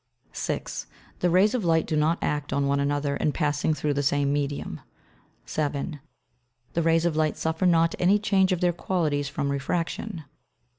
6. The Rays of Light do not act on one another, in passing through the same Medium. 7. The Rays of Light suffer not any change of their Qualities from Refraction.